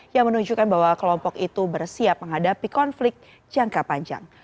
yang menunjukkan bahwa kelompok itu bersiap menghadapi konflik jangka panjang